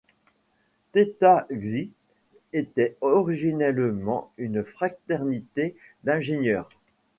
Theta Xi était originellement une fraternité d’ingénieurs.